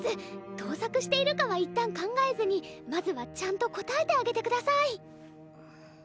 倒錯しているかは一旦考えずにまずはちゃんと応えてあげてください。